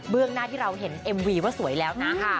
หน้าที่เราเห็นเอ็มวีว่าสวยแล้วนะ